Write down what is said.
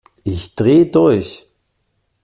Ich dreh durch!